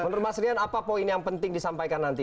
menurut mas rian apa poin yang penting disampaikan nanti